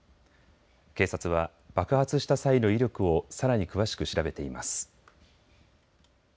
警察は爆発した際の威力をさらに詳しく調べています。